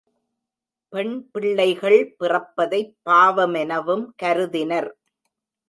பெண் பிள்ளைகள் பிறப்பதைப் பாவமெனவும் கருதினர்.